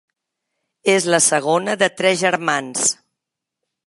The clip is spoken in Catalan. És la segona de tres germans.